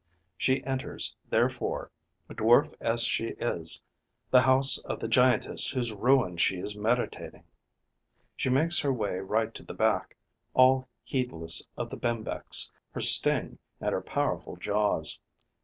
She enters, therefore, dwarf as she is, the house of the giantess whose ruin she is meditating; she makes her way right to the back, all heedless of the Bembex, her sting and her powerful jaws.